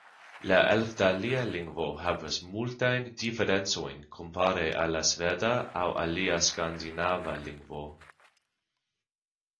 La elfdalia lingvo havas multajn diferencojn kompare al la sveda aŭ alia skandinava lingvo.